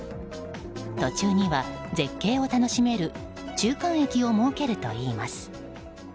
途中には、絶景を楽しめる中間駅を設けるといいます。